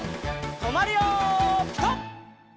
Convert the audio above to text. とまるよピタ！